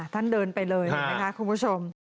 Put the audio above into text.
ท่านเดินไปเลยนะคะคุณผู้ชม